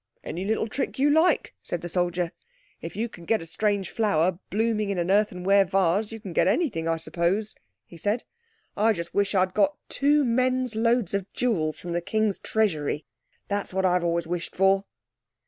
"Any little trick you like," said the soldier. "If you can get a strange flower blooming in an earthenware vase you can get anything, I suppose," he said. "I just wish I'd got two men's loads of jewels from the King's treasury. That's what I've always wished for."